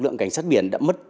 di ngành báz miền nước